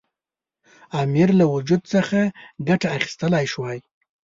امیر له وجود څخه ګټه اخیستلای شوای.